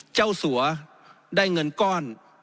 เจ้าสัวได้เงินก้อน